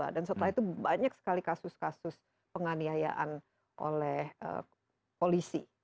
dan setelah itu banyak sekali kasus kasus penganiayaan oleh polisi